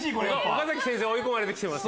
岡崎先生追い込まれて来てます。